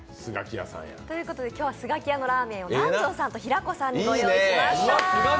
今日はスガキヤのラーメンを南條さんと平子さんにご用意しました。